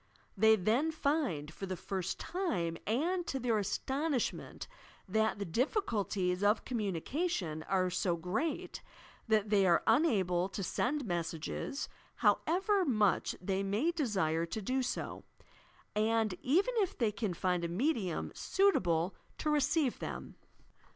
They then find, for the first time and to their aston ishment, that the difQculties of communication are so great that they are unable to send messages, however much they may desire to do so, and even if they can find a medium suitable to receive them.